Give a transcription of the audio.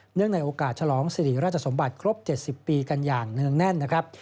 ในโอกาสฉลองสิริราชสมบัติครบ๗๐ปีกันอย่างเนื่องแน่นนะครับ